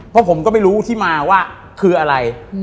เพราะผมก็ไม่รู้ที่มาว่าคืออะไร